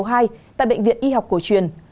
tại bệnh viện y học cổ truyền